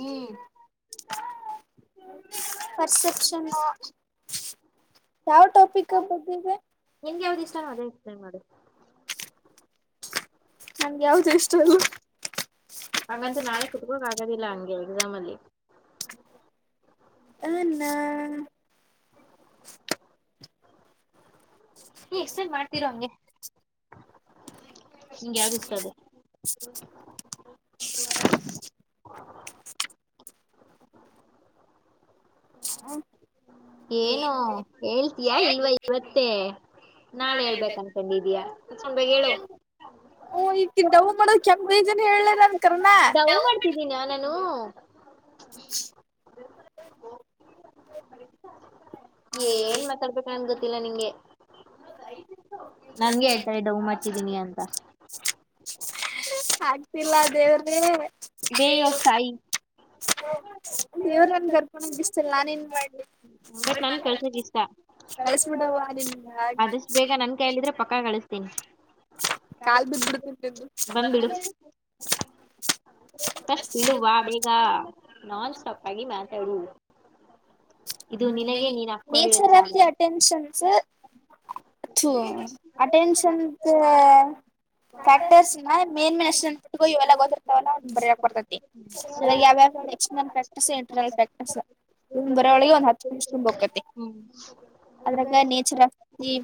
ಹ್ಮ್ perception ನಾ ಯಾವ topic ಕ ಬಂದಿದೆ ನಿಂಗ್ ಯಾವುದ ಇಷ್ಟ ನಂಗ್ ಯಾವುದು ಇಷ್ಟ ಇಲ್ಲ ಹಾಗಂತ ನಾಳೆ ಕುತ್ಕೋಕ್ ಆಗದಿಲ್ಲ ಹಂಗೆ ಎಕ್ಸಾಮ ಅಲ್ಲಿ [inaudible] ನೀವ ಎಕ್ಸ್ಪ್ಲೇನ್ ಮಾಡ್ತೀರಾ ಹಂಗೆ ನಿಂಗ ಯಾವ್ದ ಇಷ್ಟ ಅದೆ ಏನು ಹೇಳ್ತಿಯಾ ಇಲ್ವಾ ಇವತ್ತೇ ನಾಳೆ ಹೇಳ್ಬೇಕ ಅಂತೆ ಇದಿಯಾ ಚಂದ ಹೇಳು [unintelligible] ಹೇಳದಂಗ್ ಡವ್ ಮಾಡ್ತಿದೀನಾ ನಾನು ಹಾ [inaudible] ಏನ್ ಮಾತಾಡ್ಬೇಕ ಅಂದೆ ಎಲ್ಲಾ ನಿಂದೆ ನಂಗೆ ಹೇಳ್ತಾ ಡೌ ಮಾಡ್ತಿದೀನಿ ಅಂತಾ. ಆಗ್ತಿಲ್ಲಾ ದೇವರೆ. ಇದೇ ಈವಾಗ್ ಸಾಯಿ. ಇವರ್ನನ್ನ್ ದರ್ಪನೆ ಬಿಸ್ತಿಲ್ಲ ನಾನೇನ್ ಮಾಡ್ಲಿ. ಬಟ್ ನನ್ ಕಳ್ಸೋಕ್ ಇಷ್ಟ ಅದಷ್ಟು ಬೇಗ ನನ್ ಕೈಯಲ್ಲಿದ್ರೆ ಪಕ್ಕ ಕಳಸ್ [unintelligible] ಬಂದ್ಬಿಡು ಫಸ್ಟ್ ಇಳುವಾ ಬೇಗ ನಾನ್ ಸ್ಟಾಪಾಗಿ ಮಾತ್ [unintelligible] ನೇಚರ್ ಆಫ ದ ಅಟೆನ್ಷನ್ಸ್ ಥೂ ಅಟೆನ್ಷನ್ದು ಫ್ಯಾಕ್ಟರ್ಸ್ನ ಮೇನ್ಮೆಸ್ [inaudible] ಇವೆಲ್ಲ ಗೊತ್ತಿರ್ತಾವಲ್ಲ ಬರಯಕ್ ಬರ್ತೈತಿ ಅದ ಯಾವ್ಯಾವಗ ಎಕ್ಸ್ಟರ್ನಲ್ ಫ್ಯಾಕ್ಟರ್ಸು ಇಂಟರ್ನಲ್ ಫ್ಯಾಕ್ಟರ್ಸು. ಬರ ಒಳಗೆ ಒಂದು ಹತ್ತು ತುಂಬಕ್ಕತೆ. [unintelligible] The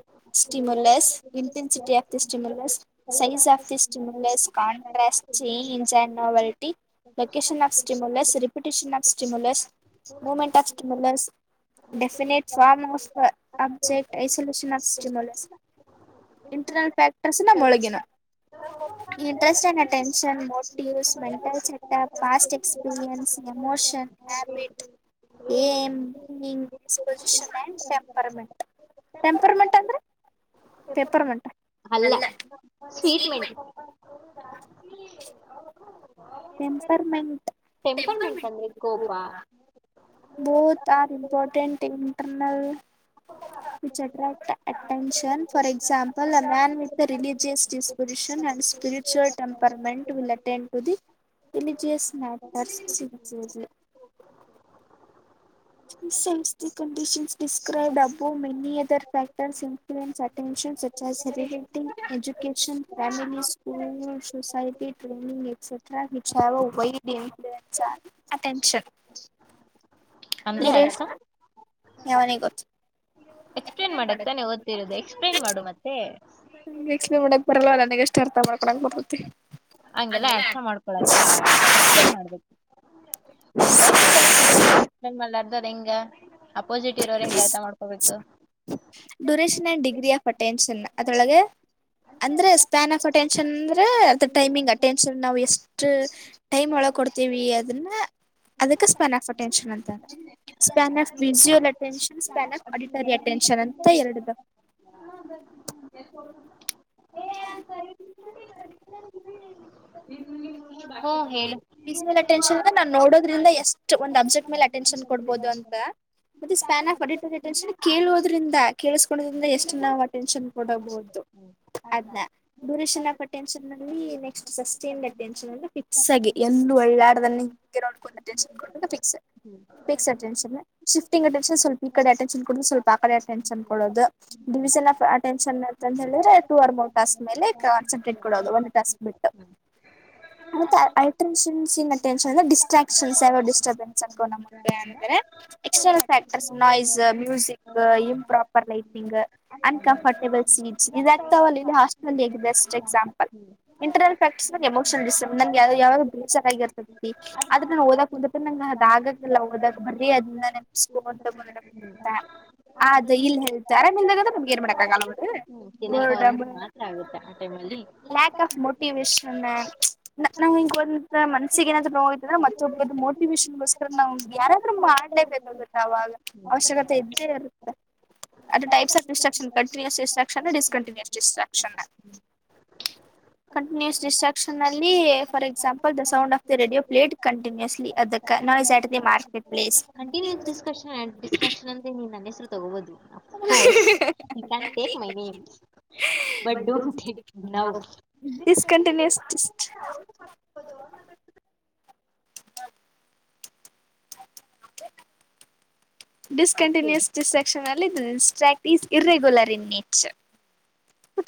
stimulus, intensity of the stimulus, size of the stimulus, contrast change and novelty, location of stimulus, repetition of stimulus, movement of stimulus definite form of object isolation of stimulus internal factors ನಮೊಳಗಿನ interest and attention motives mental setup past experience emotion habit. Aim, meaning, disposition and temperament, temperament ಅಂದ್ರೆ? ಪೇಪ್ಪರ್ ಮೆಂಟ. ಅಲ್ಲ ಸ್ವೀಟ್ಮೆಂಟ್. Temperament. Temperament ಅಂದ್ರೆ ಕೋಪ. Both are important internal which attract attention for example a man with the religious dispersion and spiritual temperament will attend to the religious matter [unintelligible] ಸೈ the conditions described above many other factors influence attention such has irrigating education, family school society training etcetera which have a wide influence on attention. ಅಂದ್ರೆ ಅರ್ಥ? ಯಾವನಿಗೊತ್ತು. Explain ಮಾಡಕ್ ತಾನೆ ಓದ್ತಿರೋದು explain ಮಾಡು ಮತ್ತೆ. ಬರಲ್ಲ ನಂಗಷ್ಟೆ ಅರ್ಥ ಮಾಡ್ಕೊಳಕ್ ಬರ್ತತಿ. ಹಂಗೆಲ್ಲ ಅರ್ಥ ಮಾಡ್ಕೊಳಕ್ಕೆಲ್ಲ ಆಗಲ್ಲ ಎಕ್ಸ್ಪ್ಲೇನ್ ಮಾಡ್ಬೇಕು. ಒಂದು ಟಾಪಿಕ್ ತೊಗೊಂಡಿಡ್ಯ ಅಂದಮೇಲೆ ಎಕ್ಸ್ಪೇನ್ ಮಾಡಲಾ ದರೆಂಗ. Duration and degree of attention ಅದ್ರೊಳಗ ಅಂದ್ರ ಸ್ಪ್ಯಾನ್ ಆಫ್ ಅಟೆನ್ಷನ್ ಅಂದ್ರ ಅದ್ ಟೈಮಿಂಗ್ ಟೆನ್ಷನ್ ನಾವು ಎಷ್ಟು ಟೈಮ್ ಒಳಗ ಕೊಡ್ತೀವಿ ಅದನ್ನ ಅದಕ್ಕ ಸ್ಪ್ಯಾನ್ ಆಫ್ ಅಟೆನ್ಷನ್ ಅಂತ span of visual attention span of auditory attention ಅಂತ ಎರಡಿದಾವ ವಿಸುವಲ್ ಅಟೆನಶ್ನ್ನ ನೋಡೋದ್ರಿಂದ ಎಷ್ಟ ಒಂದ ಅಬ್ಜೆಕ್ಟ್ ಮೇಲೆ ಅಟೆನ್ನ್ ಕೊಡ್ಬಹುದು ಅಂತ ಮತ್ತೆ ಸ್ಪನ್ ಆಫ್ ಅಟೆಂಷನ್ ಕೇಳೋದ್ರಿಂದ ಕೇಳೋದ್ರಿಂದ ಎಷ್ಟ ನಾವು ಅಟೆನಶ್ನ್ ಕೊಡಬಹುದು ಅದನ್ನ ಡೂರೇಷನ್ ಆಫ್ ಅಟೆನ್ನ್ಲ್ಲಿನಲ್ಲಿ ಟೆನ್ನ್ ಅ ಫಿಕ್ಸ್ ಆಗಿ ಎ ಒಳ್ಳಾಡೋದ ಹಿಗೆ ನೋಡ್ಟೆನ್ ಫಿಕ್ಸ್ಕ್ಸ್ ಅಟೆನ್ನ್ ಶಿಫ್ಟಿಂಗ್ ಅಟೆ ಸ್ವಲ್ಪ್ ಈ ಕಡೆ ಅಟೆನ್ಶಾನ್ ಕೊಡುದು ಸ್ವಲ್ಪ ಆ ಕಡೆ ಅಟೆನ್ಶಾನ್ ಕೊಡೋದು ಡಿವಿಝನ್ ಆಫ್ ಅಟೆನ್ಷನ್ ಅಂತ ಹೇಳಿದ್ರೆ ಟೂ ಅವರ್ ಟಾಸ್ಕ್ ಮೇಲೆ ಕಾನ್ಸಂಟ್ರೇಟ್ ಕೊಡದು ಒಂದು ಕಾಸ್ ಮತ್ತ್ ಅಲ ಅಳ್ತನಸಿಂಗ ಅಟೆಂಷನ್ ಅಂದ್ರ ಡಿಸ್ಟ್ರಾಕ್ಟ್. ಎ ಡಿಸ್ಟರ್ಬೆನ್ಸ್ ಅಕೋ ನಮ ಅಂದ್ರೆ external factors noise music improper lightning uncomfortable seats ಇದಾಗಗ್ತಾವಲ್ಲ ಇಲ್ಲಿ ಮುಂದೆ ಇದು ಬೆಸ್ಟ್ ಎಕ್ಸಾಮ್ ಇಂಟರ್ಲ್ ಎಮೋಶನ ನಂಗೆ ಯಾವ್ದ್ ಬ್ರೇಸರ್ ಆಗಿರ್ತೈತಿ ಆದ್ರ ನ ಓದಕ್ ಕುಂದರ್ತಿನಿ ಆದ್ರ ನಂಗ ಅದನ್ ಆಲ್ಲ ಓದಕ್ ಬರ್ರೀ ಅದ ನನ್ಸ್ಕೊಂಡ್ ತಗೊಂಡಿ ಇ ಹೇರ ಇಲ್ದಾಗಂದ್ರೆ ನಮ್ಗೆ ಅರಾಮ್ ಇಲ್ಲಾ ಏನ್ ಮಾಡಕ್ಗಲ್ಲ ಮತ್ತ. ದಿನಕ್ಕೆ ಮಾತ್ರ ಆಗುತ್ತೆ ಆ ಟೈಮ್ಲ್ಲಿ ಈ ವಿಷ್ ನ ನಾವ್ ನಾವಿಂಗ್ ಮನ್ಸಿಗೆ ಏನ್ರ ನೋವ್ ಇತ್ತದ್ರ ಮತ್ತೊಬ್ಬ ಮೋಟಿವೇಶನ್ಗೋಸ್ಕರ ನ್ ಯಾರಾದ್ರೂ ಮಾಡ್ಲೇಬೇಕಾಗುತ್ತೆ ಅವಾಗ ಅವಶ್ಯಕತೆ ಇದ್ದೇ ಇರುತ್ತೆ ಅ ಟೈಪ್ ಆ distraction continuous distraction discontinuous distraction continuous distraction ಅಲ್ಲಿ for example the sound of the radio played continuously ಅದಕ್ಕ noise at the market continuous ಡಿಸಕನ್ ಡಿಸ್ಟ್ರಕ್ಷನ್ ಅಂದ್ರೆ ನೀವ್ ನನ್ನ ಹೆಸ್ರು ತುಗೊಬೋದು of course he can take my name but don't take it now. Discontinuous ಟಿಷ್ಟ discontinuous distraction ಅಲ್ಲಿ this ಟ್ಯಾಕ್ಈಸ್ irregular in nature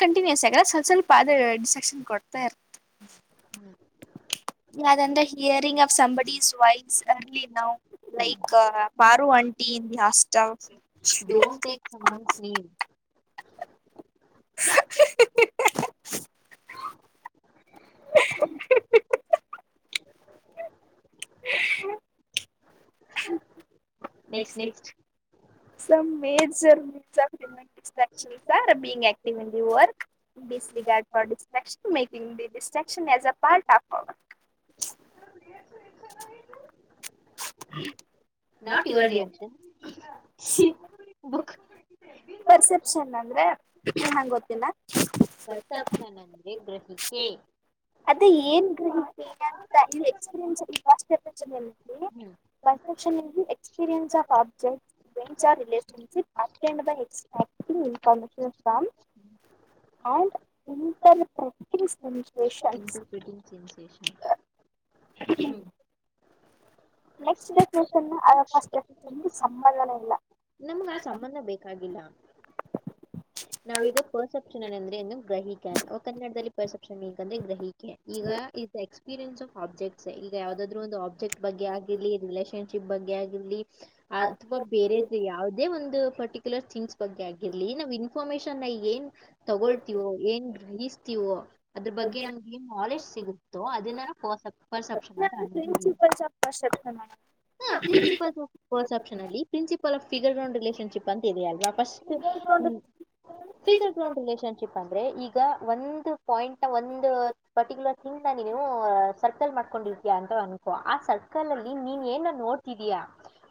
continuous ಆಗಲ್ಲ ಸ್ವಲ್ಪ ಸ್ವಲ್ಪ ಆದ ಡಿಸಕ್ಷನ್ ಕೊಡ್ತಾ ಇರ್ತ ಹ್ಮ್ ಯಾವದಂದ್ರ hearing of some don't take someone's name [inaudible] [inaudible] [inaudible] next next some major [unintelligible] ಕ್ಷ [unintelligible] being active you work [unintelligible] ಡಿಸ್ಟ್ರೆಕ್ಟೀಷನ್ as a part of work not your reaction [unintelligible] book perception ಅಂದ್ರೆ ಏನ್ ಹಂಗ ಗೊತ್ತಿಲ್ಲ ಪರ್ಸೆಪ್ಷನ್ ಅಂದ್ರೆ ಗ್ರಹಿಕೆ ಎಕ್ಸ್ಪರಿಯನ್ಫಸ್ಟ್ಪೆಕ್ಷನ್ [unintelligible] ಪರ್ಸ್ಟೆಕ್ಷನ್ ಇ ಎಕ್ಸ್ಪೀರಿಯನ್ಸ್ [unintelligible] ಆಫ್ ಆಬ್ಜೆಕ್ಟ್ಸ್ಸ್ [unintelligible] ಆ ರಿಲಷನಷಿಪ್ ಅ ಸ್ ಇನ್ಫರ್ಮ [unintelligible] ನ್ ಆಂಡ್ ಇಟರ್ಪಕ್ಟ್ [unintelligible] ಸಿಂಚಷನ್ [unintelligible] ಸೆನ್ಸೇಷನ್ ಹ್ಮ್ ನೆಕ್ಸ್ಟ್ [unintelligible] ನಮ್ಗ ಆ ಸಂಬಂಧ ಬೇಕಾಗಿಲ್ಲ್ಲಾ. ನಾವೀಗ ಪರ್ಸೆಪ್ಷನ್ ಅ ಅಂದ್ರೆ ಒಂದು ಗ್ರಹಿಕೆ ಕನ್ನಡದಲ್ಲಿ ಪರ್ಸೆಪ್ಷನ್ ಈಗಂದ್ರೆ ಗ್ರಹಿಕೆ ಈಗ ಇ experience of objects ಇಲ್ಲ ಯಾವದಾದ್ರು ಒಂದು ಆಬ್ಜೆಕ್ಟ್ ಬಗ್ಗೆ ಆಗಿರ್ಲಿ ರಿಲೇಷನ್. ಪ್ ಬಗ್ಗೆ ಆಗಿರ್ಲಿ ಅ ಅಥವಾ ಬೇರೆದು ಯಾವದೇ ಒಂದು. ಪರ್ಟಿಕ್ಯುಲರ್ ಥಿಂಗ್ಸ್ ಬಗ್ಗೇ ಆಗಿರ್ಲಿ ನಾವಿನ್ನು ಇನ್ಫರ್ಮೇಷನ್ ಈಗೇನ್ ತಗೊಳ್ತೀವೋ ಏನ್ ಬಿಡಿಸ್ತಿವೋ ಅದ್ರ ಬಗ್ಗೆ ನಮ್ಗೆ ಏನ್ ನಾಲೆಜ್ ಸಿಗುತ್ತೋ ಅದನ್ನಾನ ಪರ್ಸೆಪ್ನ್ ಅಂತ ಅ ಹ ಪ್ರಿನ್ಸಿಪಲ್ ಪರ್ಸೆಪ್ಷನ್ ಅಲ್ಲಿ principle of figure ground relationship ಅಂತ ಇದೆ ಆಲ್ವಾ ಫಸ್ಟ್. [unintelligible] ರಿಲೇಷನ್ಶಿಪ್ ಅಂದ್ರೆ ಈಗ ಒಂದು ಪಾಯಿಂಟ್ ನ ಒಂದು ಪರ್ಟಿಕ್ಯುಲರ್ ಥಿಂಗ್ ನ ನೀನು ಸರ್ಕಲ್ ಮಾಡ್ಕೊಂಡಿರ್ತಿಯ ಅಂತ ಅನ್ಕೋ ಆ ಸರ್ಕಲ್ ಅಲ್ಲಿ ನೀನ್ ಏನ್ ನೋಡ್ತಿದೀಯಾ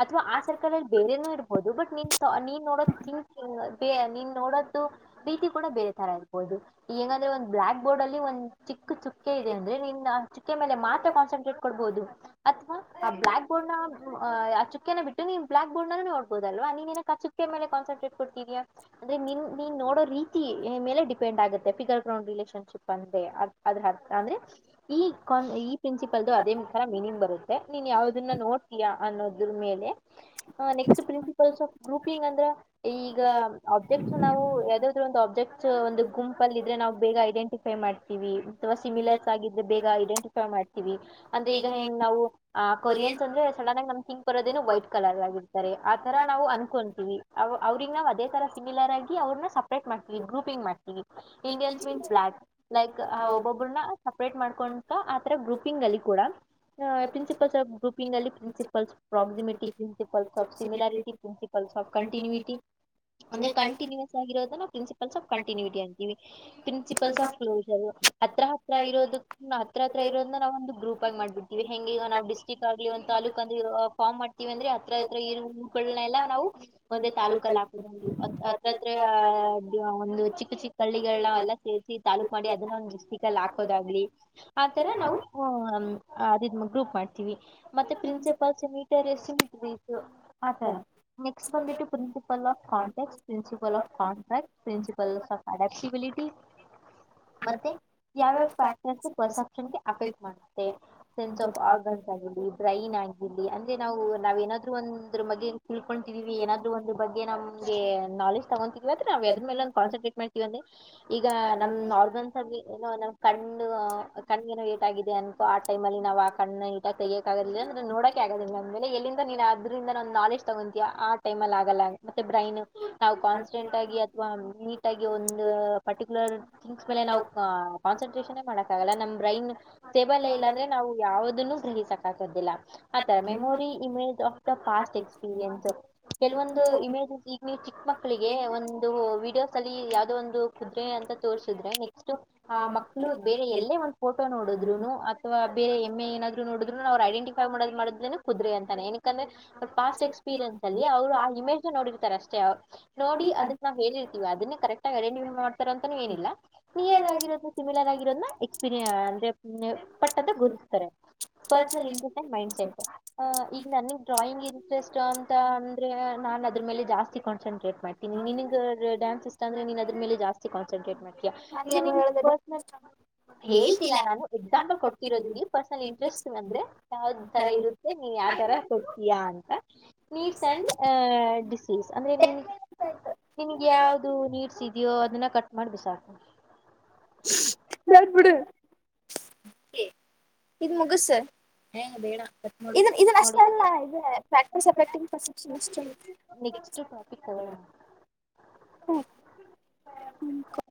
ಅಥವಾ ಆ ಸರ್ಕಲ್ ಅಲ್ಲಿ ಬೇರೆನೂ ಇರ್ಬಹುದು ಬಟ್ ನೀನ್ ಪ ನೀನ್ ನೋಡೋ ಥಿಂಕಿಂಗ್ ಬ ನೀನ್ ನೋಡೋದು ಭೀತಿ ಕೂಡ ಬೇರೆ ತರ ಇರಬಹುದು ಈ ಹೇಂಗಂದ್ರೆ ಒಂದು ಬ್ಲ್ಯಾಕ್ ಬೋರ್ಡ್ ಅಲ್ಲಿ ಒ ಚಿ ಕ್ಕ ಚುಕ್ಕೆ ಇದೆ ಅಂದ್ರೆ ನಿನ್ ಮಾ ಚಿಕ್ಕೆ ಮೇಲೆ ಮಾತ್ರ ಕಾನ್ಸಂಟ್ರೇಟ್ ಕೊಡ್ಬಹುದು [inaudible] ಅಥವಾ ಆ ಬ್ಲ್ಯಾಕ್ ಬೋರ್ಡ್ ನ ಅಹ ಅಚುಕ್ಯನ್ ಬಿಟ್ಟ ನೀವು ಬ್ಲ್ಯಾಕ್ ಬೋಡ್ನೂ ನೋಡ್ಬೋುದಲ್ವಾ ನೀನ್ನಕ್ ಅಚುಕ್ಕೆ ಮೇಲೆ ಕನ್ಸಂಟ್ರೇಟ್ ಕೊಡ್ತೀ ಅಂದ್ರೆ ನಿನ್ ನೀನ್ ನೋಡೋ ರೀತಿ ಮೇಲೆ ಡಿಪೆಂಡ್ ಆಗುತ್ತೆ ಫಿಗರ್ ಗ್ರೌಂಡ್ ರಿಲೇಷನ್ಶಿಪ್ ಅಂದೆ ಅದ್ರ ಅಂದ್ರೆ ಈನ್ ಈ ಪ್ರಿನ್ಸಿಪಲ್ದು ಅದೇ ಮುಖರ ಮೀನಿಂಗ್ ಬರುತ್ತೆ ನೀನ್ ಯಾವ್ದನ್ನ ನೋಡ್ತೀಯಾ ಅನ್ನೋದ್ರ ಮೇಲೆ. ಹ ನೆಕ್ಸ್ಟ್ ಪ್ರಿನ್ಸಿಪಲ್ಸ್ ಆಫ್ ಗ್ರೂಪಿಂಗ್ ಅಂದ್ರೆ ಈಗ ಅಬ್ಜೆಕ್ಟ್ಸ್ ನಾವು ಯಾವ್ದಾದ್ರು ಒಂದು ಆಬ್ಜೆಕ್ಟ್ಸ್ ಒಂದು ಗುಂಪಲ್ಲಿ ಇದ್ರೆ ನಾವು ಬೇಗ ಐಡೆಂಟಿಫೈ ಮಾಡ್ತೀವಿ. [inaudible] ಅಥವಾ ಸಿಮಿಲರ್ಸ್ ಆಗ್ರೆ ಬಗ ಐಡೆಟ ಮಾಡ್ತೀವಿ. ಅಂದ್ರೆ ಈಗ ಹೆಂಗ್ ನಾವು ಆ ಕೊರಿಯನ್ಸ್ ಅಂದ್ರೆ ಸಡನ್ ಆಗಿ ನಮ ಸಿಂಕ್ ಬರೋದೇ ವೈಟ್ ಕಲರ್ ಆಗಿರ್ತಾರೆ ಆತರ ನಾವು ಅನ್ಕೊಂತೀವಿ ಅವ್ರಗ್ ನಾವವು ಅದೇ ತರ ಸಿಮಿಲರ್ ಆಗಿ ಅವ್ರನ್ನ ಸಪ್ರೇಟ್ ಮಾಡ್ತೀವಿ ಗ್ರೂಪಿಂಗ್ ಮಾಡ್ತೀವಿ. Indians means black. ಲೈಕ್ ಆ ಒಬ್ಬೊಬ್ರನ್ನ ಸಪ್ರೇಟ್ ಮಾಡ್ಕೊಂಡಕ ಆತರ ಗ್ರೂಪಿಂಗ್ ಅಲ್ಲಿ ಕೂಡ ಪ್ರಿನ್ಸಿಪಲ್ಸ್ ಆಫ್ ಗ್ರೂಪಿಂಗ್ ಅಲ್ಲಿ ಪ್ರಿನ್ಸಿಪಲ್ಸ್ ಪ್ರಾಕ್ಸಿಮಟಿ ಪ್ರಿನ್ಸಿಪಲ್ ಆ ಸಿಮಲಾರಟಿ ಪ್ರಿನ್ಸಿಪಲ್ಸ್ ಆಫ್ ಕಂಟಿನ್ಯೂಟಿ. ಅಂದ್ರೆ ಕಂಟಿನ್ಯೂಸ್ ಆಗಿ ನವು ಪ್ರಿನ್ಪಲ್ಸ್ ಆಫ್ ಕಟಿನ್ಯೂಟಿ ಅಂತೀವಿ ಪ್ರಿನ್ಸಿಪಲ್ಸ್ ಆಫ್ ಕ್ಲೋರ್ ಹತ್ರ ಹತ್ರ ಇರೋದ ಹತ್ರ ಹತ್ರ ಇರೋದ ನಾವು ಒಂದು ಗ್ರೂಪ್ ಆಿ ಮಾಡಿಬಿಡ್ತಿವಿ ಹೆಂಗ ಈಗ ನಾವು ಡಿಸ್ಟಿಕ್ ಆಗ್ಲಿ ಒಂದ ತಾಲೂಕ ಆಗಿ ಫಾರ್ಮ್ ಮಾಡ್ತೀವಿ ಅಂದ್ರೆ ಹತ್ರ ಹತ್ರ ಇಗಳನ್ನಲ್ಲ ನಾವು ಒಂದೇ ತಾಲೂಕಲ್ಲಿ ಹತ್ರ ಹತ್ರ ಒಂದು ಚಿಕ್ಕ ಚಿಕ್ಕ ಹಳ್ಳಿಗಳನ್ನ ಎಲ್ಲಾ ಸೇರ್ಸಿ ತಾಲೂಕು ಮಾಡಿ ಅದನ್ನ ಒಂದು ಡಿಸ್ಟ್ರಿಕ್ಟ್ ಹಾಕೋದಾಗ್ಲಿ ಆತರ ನಾವು ಅದ್ ಮು ಗ್ರೂಫ ಮಾಡ್ತೀವಿ. ಮತ್ತೆ ಪ್ರಿನ್ಸಿಪಾಲ್ ಸೆಮಿಟರ್ ಎ ಆತರ ನೆಕ್ಸ್ಟ್ ಬಂದ್ಬಿಟ್ಟು ಪ್ರಿನ್ಸಿಪಾಲ್. ಫ context principle of context principle ಆ ಅಡಪ್ಟಿಬಿಲಿಟಿ [inaudible] ಮತ್ತೆ ಯಾವ್ಯಾವ ಫ್ಯಾಕ್ಟರ್ ಪರ್ಸೆಪ್ಷನ್ಗೆ ಅಫೆಕ್ಟ್ ಮಾಡುತ್ತೆ ಸೆನ್ಸ್ ಆಫ್ ಆರ್ಗನ್ಸ್ ಆಗಿರ್ಲಿ ಬ್ರೈನ್ ಆಗಿರ್ಲಿ ಅಂದ್ರೆ ನಾವು ನಾವ್ ಏನಾದ್ ಒ ಅದ್ರ ಮಗ್ಗೆ ತಿಳ್ಕೊಂತಿದೀವಿ ಏನಾದ್ರು ಒಂದು [inaudible] ಬಗ್ಗೆ ನಮ್ಗೆ ನಾಲೆಜ್ ತಗೊಂತ ನವು ಅದ್ ಮೇಲೆ ಕಾನ್ಸಂಟ್ರೇಟ್ [unintelligible] ಈಗ ನಮ್ ಆರ್ಗನ್ಸ್ ಅಲ್ಲಿ ಏನೋ ನ್ ಕ್ಣು ಕಣ್ ಏನೂ ಏಟ್ ಆಗಿದೆ ಅನ್ಕೋ ಆ ಟೈಮ ಅಲ್ಲಿ ನಾ ಆಣ್ಣ ಏಟಾಗಿ ಕೈಗೋಕ ಆಗದಿಲ್ಲ ಅಂದ್ರೆ ನೋಡಕೆ ಆಗದಂದ್ಮೇಲೆ ಎಲ್ಲಿಂದ ನೀ ಅದ್ರಿಂದ ನವು ನಾಲೆಜ್ ತಗೊಂತೀಯ ಆ ಟೈಮ ಅಲ್ಲಿ ಆಗಲ್ಲ. ಮತ್ತೆ ಬ್ರೈನ್ ನಾವು ಕಾನ್ಸ್ಟೆಂಟ್ ಆಗಿ ಅಥವಾ ನೀಟ್ ಆಗಿ ಒಂದು ಪರ್ಟಿಕ್ಯುಲರ್ ಥಿಂಗ್ಸ್ ಮೇಲೆ ನಾವು ಕಾನ್ಸಂಟ್ರೇಷನ್ ಮಾಡಕ್ ಆಗಲ್ಲ ನಮ್ ಬ್ರೈನ್ ಸ್ಟೇಬಲ್ ಇಲ್ಲ ಅಂದ್ರೆ ನಾವು ಯಾವದನ್ನು. [inaudible] ಹಂಗೆ [unintelligible] ಆತರ memory image of the past experience ಕೆಲವೊಂದು [inaudible] ಒಂದು ಇಮೇಜ್ಸ್ ಈಗ ಚಿಕ್ಕ ಮಕ್ಕಳಿಗೆ ಒಂದು ವಿಡಿಯೋಸ್ ಅಲ್ಲಿ ಯಾವುದೋ ಒಂದು ಅಂತ ತೋರ್ಸಿದ್ರೆ ನೆಕ್ಸ್ಟ್ ಆ ಮಕ್ಳು ಬೇರೆ ಎಲ್ಲೇ ಒಂದ್ ಫೋಟೋ ನೋಡಿದ್ರುನು ಅಥವಾ ಬೇರೆ ಎಮ್ಮೆ ಏನಾದ್ರು ನೋಡ್ ನ ಅವ್ ಐಡೆಂಟಿಫೈ ಮಾಡದ ಮಾಡಿದ್ದೆನ ಕುದ್ರಿ ಅಂತಾನ ಏನಕ್ಕ ಕನೆ ಅವ ಪಾಸ್ಟ್ ಎಕ್ಸ್ಪೀರಿಯನ್ಸ್ ಅಲ್ಲಿ ಅವ್ರು ಆ ಪೂಜೆ ನೋಡಿರ್ತಾರೆ ಅಷ್ಟೇ. ನೋಡಿ ಅದಕ್ ನಾವು ಹೇಳಿರ್ತಿವಿ ಅದನ್ನ ಕರೆಕ್ಟ್ಗ ಐಡೆಟಿಫ ಮಾಡ್ತಾರ ಅಂತಾನ ಏನಿಲ್ಲ ನಿಯರ್ ಆಗಿರೋದ ಸಿಮಿಲರ್ ಆಗಿರೋ ಎಕ್ಸ್ಪೀ ಅಂದ ಪಟ್ಟದ ಗುರತ್ಸಾರೆ ಪರ್ಸನಲ್ ಇಂಟ್ರೆಸ್ಟ್ ಮೈಂಡ್ ಸೆಟ್ ಈಗ ನನಗ್ ಡ್ರಾಯಿಂಗ್ ಇಂಟ್ರೆಸ್ಟ್ ಅಂತ ಅಂದ್ರೆ ಅದ್ರ ಮೇಲೆ ಜಾಸ್ತಿ ಕಾನ್ಸಂಟ್ರೇಟ್. ಮಾಡ್ತೀನಿ ನಿನಗೆಗೆ ಡಾನ್ಸ್ ಇಷ್ಟ ಅಂದ್ರೆ ನೀನ್ ಅದ್ರಮೇಲೆ ಜಾಸ್ತಿ ಕೊನ್ಸಟ್ರೇಟ್ ಮಾಡಿ ಪರ್ಸನಲ್ ಹೇಳ್ತಿಲ್ಲಾ ನಾನು ಎಕ್ಸಾಂಪಲ್ ಕೊಡ್ತಿರೋದ ನೀ ಪರ್ಸನಲ್ ಇಂಟ್ರೆಸ್ಟ್ ಅಂದ್ರೆ ಯಾವ್ ತರ ಇರುತ್ತೆ ನೀ ಯಾವ ತರ ಕೊಡ್ತೀಯಾ ಅಂತ ನೀಡ್ಸ್ ಅಂಡ್ ಆ ಡಿಸೀಸ್ ಅಂದ್ರೆ ನಿಂಗ್ ನಿಂಗ ಯಾವುದು ನೀಡ್ಸ್ ಇದೆಯೋ ಅದನ್ನ ಕಟ್ ಮಾಡಿ ಬಿಸಾಕ್ ಬಿ [unintelligible] ಬಿಡ ಇದ್ ಮುಗುಸ ಇದ ಇದನ್ ಅಷ್ಟ ಅಲ್ಲ ಇ ಪ್ರಾಕ್ಟೀಸ್ ಅಂತ ಪರ್ಸ್ಪ್ನಿಷ್ಟ [unintelligible]